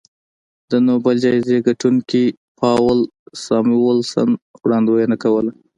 د نوبل جایزې ګټونکي پاول ساموېلسن وړاندوینه کوله